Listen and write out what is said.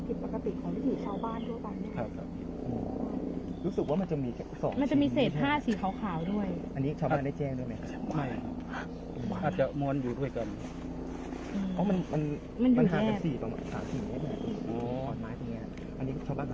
ผิดปกติของวิธีชาวบ้านทั่วไปเนี่ยใช่ครับอ๋อรู้สึกว่ามันจะมีสอง